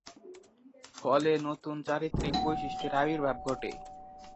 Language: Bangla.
ফলে নতুন চারিত্রিক বৈশিষ্ট্যের আবির্ভাব ঘটে।